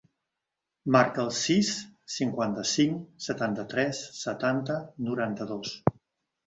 Marca el sis, cinquanta-cinc, setanta-tres, setanta, noranta-dos.